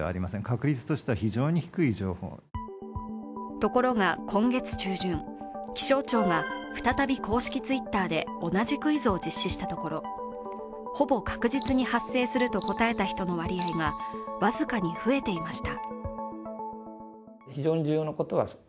ところが今月中旬、気象庁が再び公式Ｔｗｉｔｔｅｒで同じクイズを実施したところ、「ほぼ確実に発生する」と答えた人の割合が僅かに増えていました。